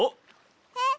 えっ？